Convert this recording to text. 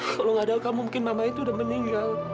kalau nggak ada kamu mungkin mama itu udah meninggal